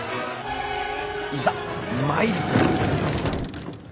いざ参る！